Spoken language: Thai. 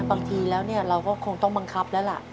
บางทีแล้วเราก็คงต้องบังคับแล้วล่ะ